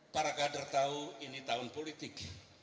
para kader tahu ini tahun politik